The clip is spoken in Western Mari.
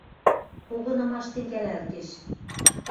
Погынымаш тӹнгӓлӓлтеш.